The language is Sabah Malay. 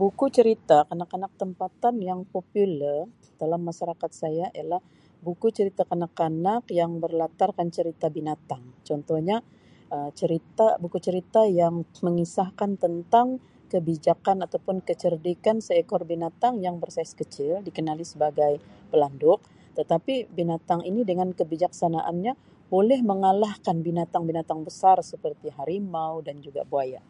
Buku cerita kanak-kanak tempatan yang popular dalam masyarakat saya ialah buku cerita kanak-kanak yang berlatarkan cerita binatang contohnya Um cerita buku cerita yang mengisahkan tentang kebijakkan ataupun kecerdikan seekor binatang yang bersaiz kecil dikenali sebagai pelanduk tetapi binatang ini dengan kebijaksanaannya boleh mengalahkan binatang-binatang besar seperti harimau dan juga buaya.